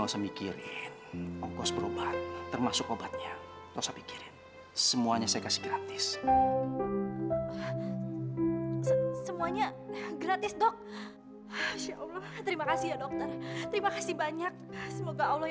saya gak tau gimana caranya